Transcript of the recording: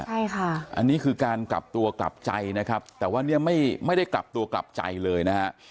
ใช่ค่ะอันนี้คือการกลับตัวกลับใจนะครับแต่ว่าเนี่ยไม่ได้กลับตัวกลับใจเลยนะฮะ